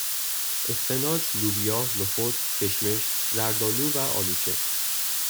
اسفناج لوبیا نخود کشمش زردآلو و آلوچه